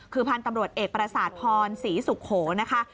คือพันธุ์ตำรวจเอกประสาทพรศรีสุโขนะคะ